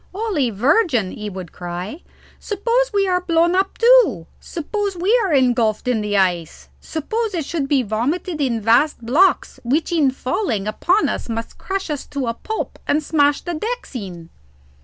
"Holy Virgin!" he would cry, "suppose we are blown up too? suppose we are engulphed in the ice? suppose it should be vomited up in vast blocks which in falling upon us must crush us to pulp and smash the decks in?"